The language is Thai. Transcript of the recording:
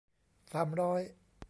สามร้อย